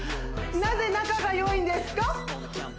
なぜ仲がよいんですか？